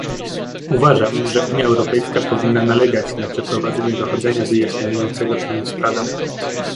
Uważam, że Unia Europejska powinna nalegać na przeprowadzenie dochodzenia wyjaśniającego tę sprawę